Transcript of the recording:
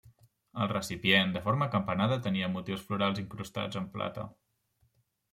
El recipient, de forma acampanada, tenia motius florals incrustats en plata.